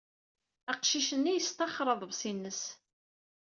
Aqcic-nni yestaxer aḍebsi-nnes.